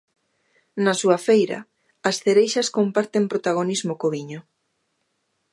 Na súa feira, as cereixas comparten protagonismo co viño.